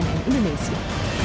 tim liputan cnn indonesia